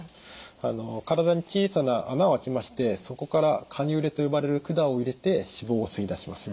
体に小さな孔をあけましてそこからカニューレと呼ばれる管を入れて脂肪を吸い出します。